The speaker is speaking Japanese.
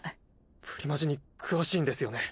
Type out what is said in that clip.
プリマジに詳しいんですよね？